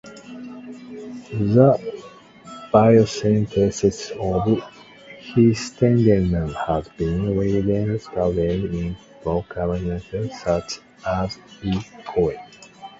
The biosynthesis of histidine has been widely studied in prokaryotes such as "E. coli".